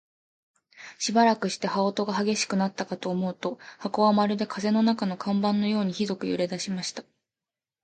しばらくして、羽音が烈しくなったかと思うと、箱はまるで風の中の看板のようにひどく揺れだしました。